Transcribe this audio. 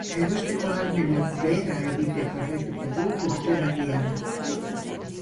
Erosteko ahalmenak behera egiten jarraituko du urte berrian.